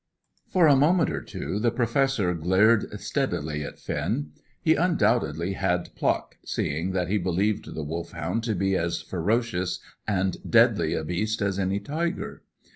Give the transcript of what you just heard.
For a moment or two the Professor glared steadily at Finn. He undoubtedly had pluck, seeing that he believed the Wolfhound to be as ferocious and deadly a beast as any tiger.